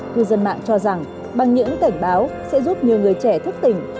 cư dân mạng cho rằng bằng những cảnh báo sẽ giúp nhiều người trẻ thức tỉnh